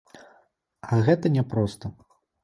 А гэта не проста.